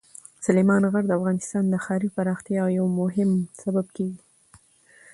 سلیمان غر د افغانستان د ښاري پراختیا یو مهم سبب کېږي.